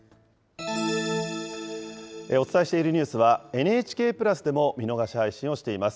お伝えしているニュースは、ＮＨＫプラスでも見逃し配信をしています。